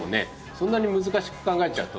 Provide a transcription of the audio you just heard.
そんなに難しく考えちゃうと。